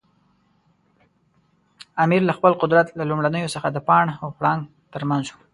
امیر له خپل قدرت له لومړیو څخه د پاڼ او پړانګ ترمنځ و.